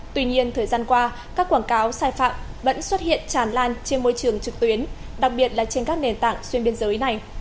tuy nhiên thời gian qua các quảng cáo sai phạm vẫn xuất hiện tràn lan trên môi trường trực tuyến đặc biệt là trên các nền tảng xuyên biên giới này